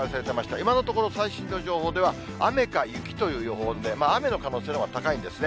今のところ、最新の情報では雨か雪という予報で、雨の可能性のほうが高いんですね。